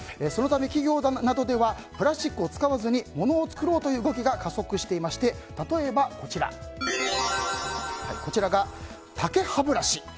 そのため、企業などではプラスチックを使わずにものを作ろうという動きが加速していまして例えば、竹歯ブラシ。